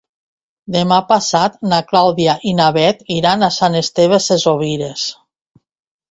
Demà passat na Clàudia i na Bet iran a Sant Esteve Sesrovires.